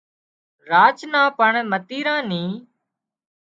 راچ نان پڻ متيران ني